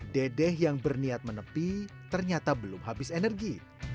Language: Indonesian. dedeh yang berniat menepi ternyata belum habis energi